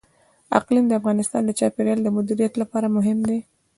اقلیم د افغانستان د چاپیریال د مدیریت لپاره مهم دي.